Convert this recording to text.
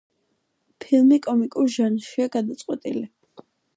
ფილმი კომიკურ ჟანრშია გადაწყვეტილი.